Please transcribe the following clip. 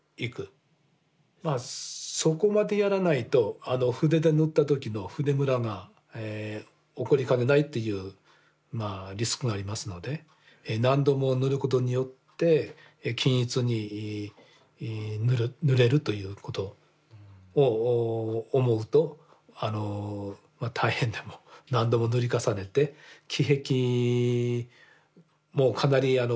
まあそこまでやらないと筆で塗った時の筆ムラが起こりかねないっていうリスクがありますので何度も塗ることによって均一に塗れるということを思うと大変でもっていうことにもなりかねないと。